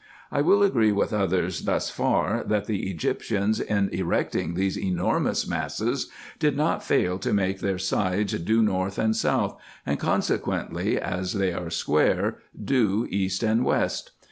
I will agree with others thus far, that the Egyptians, in erecting these enormous masses, did not fail to make their sides due north and south, and consequently, as they are square, due east and west.